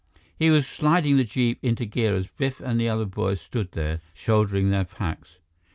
He was sliding the jeep into gear as Biff and the other boys stood there, shouldering their packs.